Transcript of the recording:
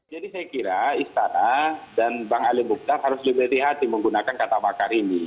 jadi saya kira istana dan bang ali buktar harus lebih berhati hati menggunakan kata makar ini